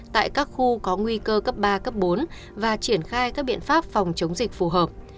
tại các khu có nguy cơ cấp ba cấp bốn và triển khai các biện pháp phòng chống dịch phù hợp